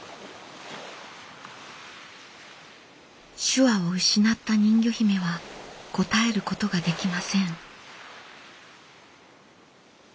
手話を失った人魚姫は答えることができません。